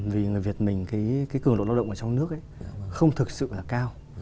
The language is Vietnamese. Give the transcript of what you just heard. vì người việt mình cái cường độ lao động ở trong nước ấy không thực sự là cao